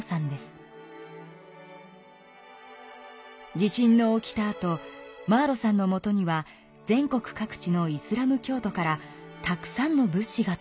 地震の起きたあとマーロさんのもとには全国各地のイスラム教徒からたくさんの物資がとどきました。